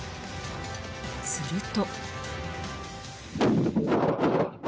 すると。